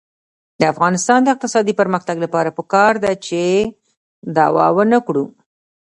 د افغانستان د اقتصادي پرمختګ لپاره پکار ده چې دعوه ونکړو.